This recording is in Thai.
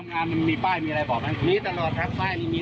ใช้ได้อยู่ครับพลังนี้